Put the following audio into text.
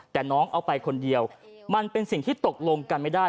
แต่น้องเอาไปคนเดียวมันเป็นสิ่งที่ตกลงกันไม่ได้